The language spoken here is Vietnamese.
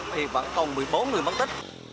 thì khoảng một mươi bốn người mất tích